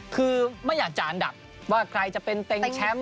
คือไม่อยากจะอันดับว่าใครจะเป็นเต็งแชมป์